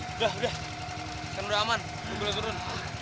udah udah kita udah aman kita udah turun